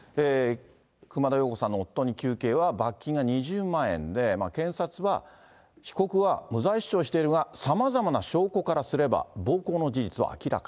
熊田曜子さんの夫に、求刑は罰金が２０万円で、検察は、被告は無罪主張しているが、さまざまな証拠からすれば、暴行の事実は明らか。